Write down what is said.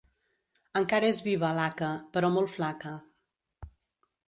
Encara és viva l'haca, però molt flaca.